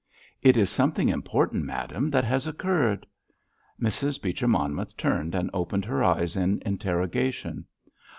"It is something important, madame, that has occurred." Mrs. Beecher Monmouth turned and opened her eyes in interrogation.